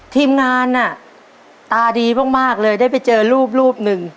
ทีมงานตาดีมากเลยได้ไปเจอรูปรูปหนึ่ง